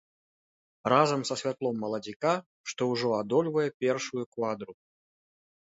Разам са святлом маладзіка, што ўжо адольвае першую квадру.